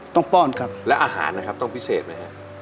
ป้อนครับแล้วอาหารนะครับต้องพิเศษไหมฮะ